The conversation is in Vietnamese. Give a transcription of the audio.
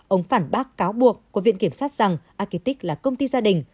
ông phản bác cáo buộc của viện kiểm sát rằng akitic là công ty gia đình